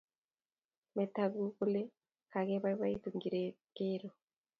Metaguu kole kebaibaitu ngigeero